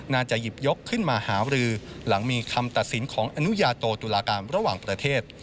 จะหยิบยกขึ้นมาหารือหลังมีคำตัดสินของอนุญาโตตุลาการระหว่างประเทศ